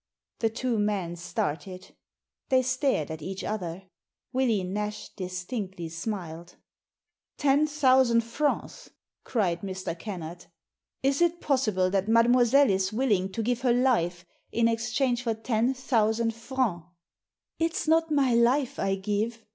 The two men started. They stared at each other. Willy Nash distinctly smiled. " Ten thousand francs !" cried Mr. Kennard. " Is it possible that mademoiselle is willing to give her life in exchange for ten thousand francs ?" "It's not my life I give.